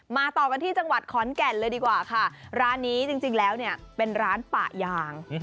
ต่อกันที่จังหวัดขอนแก่นเลยดีกว่าค่ะร้านนี้จริงแล้วเนี่ยเป็นร้านปะยาง